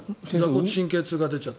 神経痛が出ちゃって。